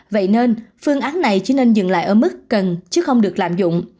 vậy nên phương án này chỉ nên dừng lại ở mức cần chứ không được lạm dụng